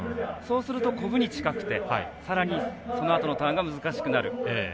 そうするとコブに近くてさらにそのあとのターンが難しくなる。